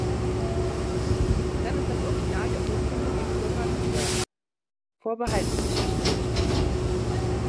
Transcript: Dann ist das Original der Urkunde dem Bürgen vorbehaltlos zurückzugeben.